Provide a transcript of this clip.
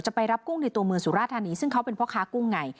ไปรับกุ้งในตัวเมืองสุราธานีซึ่งเขาเป็นพ่อค้ากุ้งไง